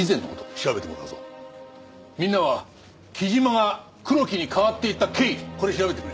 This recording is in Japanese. みんなは木島が黒木に変わっていった経緯これ調べてくれ。